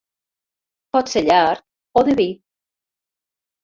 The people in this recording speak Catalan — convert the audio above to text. Pot ser llarg o de vi.